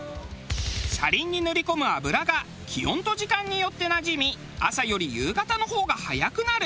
車輪に塗り込む油が気温と時間によってなじみ朝より夕方の方が速くなる。